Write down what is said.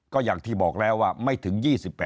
ก็อย่างที่บอกแล้วว่าไม่ถึง๒๘